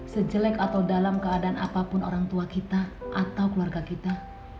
sejelek atau dalam keadaan apapun orang tua kita atau keluarga kita